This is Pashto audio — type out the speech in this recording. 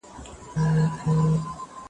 شاګرد باید خپله املا او انشا په خپله سمه کړي.